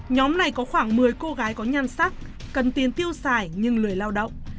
nhóm này có khoảng một mươi cô gái có nhan sắc cần tiền tiêu xài nhưng lười lao động